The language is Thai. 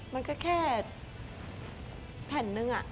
มันก็แค่แผ่นนึง